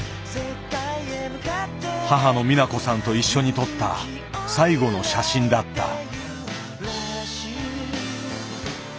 母の美奈子さんと一緒に撮った最後の写真だった。